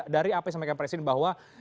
dari ap sma kempresin bahwa